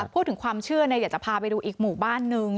พูดถึงความเชื่ออยากจะพาไปดูอีกหมู่บ้านนึง